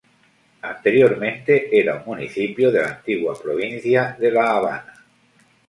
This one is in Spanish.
Anteriormente era un municipio de la antigua provincia de La Habana.